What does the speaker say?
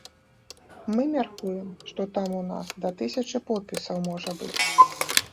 Мы мяркуем, што там у нас да тысячы подпісаў можа быць.